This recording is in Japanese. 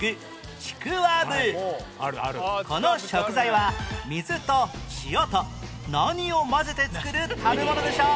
この食材は水と塩と何を混ぜて作る食べ物でしょう？